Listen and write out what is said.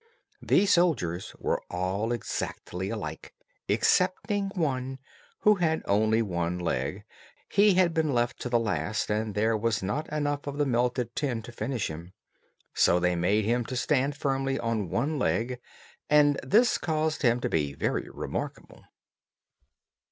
The soldiers were all exactly alike, excepting one, who had only one leg; he had been left to the last, and then there was not enough of the melted tin to finish him, so they made him to stand firmly on one leg, and this caused him to be very remarkable.